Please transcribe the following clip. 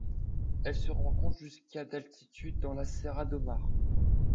Elle se rencontre jusqu'à d'altitude dans la Serra do Mar.